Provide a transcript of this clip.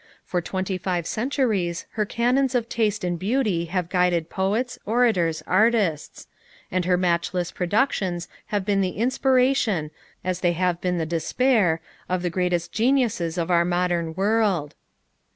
For twenty five centuries her canons of taste and beauty have guided poets, orators, artists; and her matchless productions have been the inspiration, as they have been the despair, of the greatest geniuses of our modern world.